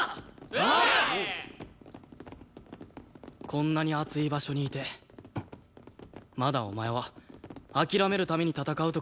こんなに熱い場所にいてまだお前は「諦めるために戦う」とか言えんのかよ。